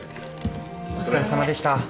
お疲れさまでした。